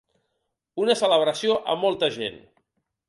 Una celebració amb molta gent.